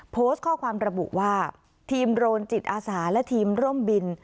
โพสต์ข้อความระบุว่าทีมโรนจิตอาสาและทีมร่มบิน